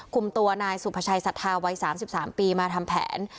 คุมตัวนายสุภาชัยสัทธาวัย๓๓ปีมาทำแผน